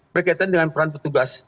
berkaitan dengan peran petugas